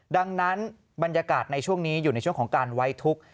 ดังนั้นบรรยากาศในช่วงนี้อยู่ในช่วงของการไว้ทุกข์